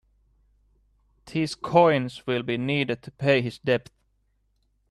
These coins will be needed to pay his debt.